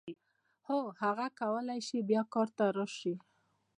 هو هغه کولای شي بیا کار ته راشي.